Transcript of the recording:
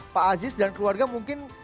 pak aziz dan keluarga mungkin